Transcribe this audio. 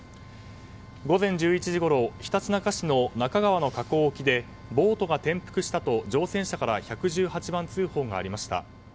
午前１１時ごろ、ひたちなか市の那珂川の河口沖でボートが転覆したと乗船者から１１８番通報がありました。